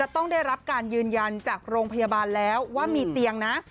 ต้องได้รับการยืนยันจากโรงพยาบาลแล้วว่ามีเตียงนะ